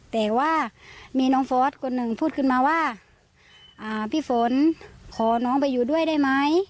แต่ว่ามีน้องฟอสคนหนึ่งพูดขึ้นมาว่าพี่ฝนขอน้องไปอยู่ด้วยได้ไหม